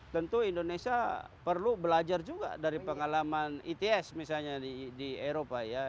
tentu indonesia perlu belajar juga dari pengalaman its misalnya di eropa ya